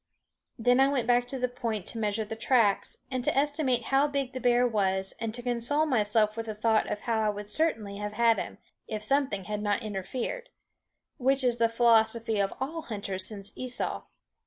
Then I went back to the point to measure the tracks, and to estimate how big the bear was, and to console myself with the thought of how I would certainly have had him, if something had not interfered which is the philosophy of all hunters since Esau.